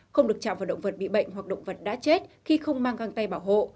không được chạm vào động vật bị bệnh hoặc động vật đã chết khi không mang găng tay bảo hộ